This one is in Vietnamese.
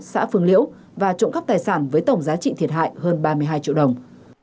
xã phương liễu và trộm cắp tài sản với tổng giá trị thiệt hại hơn ba mươi hai triệu đồng